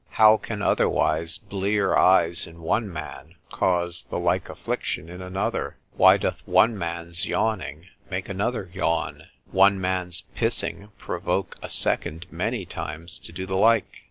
How can otherwise blear eyes in one man cause the like affection in another? Why doth one man's yawning make another yawn? One man's pissing provoke a second many times to do the like?